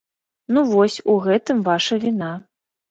Ну, вось, у гэтым ваша віна.